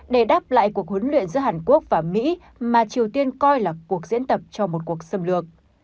để đáp lại cuộc huấn luyện giữa hàn quốc và mỹ mà triều tiên coi là cuộc diễn tập cho một cuộc xâm lược